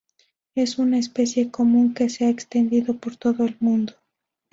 Es una especie común que se ha extendido por todo el mundo.